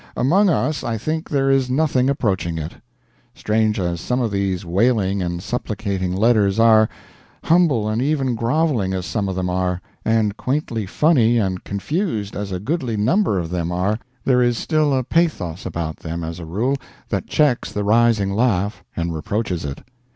Among us I think there is nothing approaching it. Strange as some of these wailing and supplicating letters are, humble and even groveling as some of them are, and quaintly funny and confused as a goodly number of them are, there is still a pathos about them, as a rule, that checks the rising laugh and reproaches it.